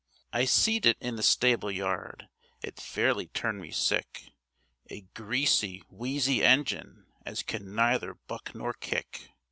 I seed it in the stable yard—it fairly turned me sick— A greasy, wheezy engine as can neither buck nor kick.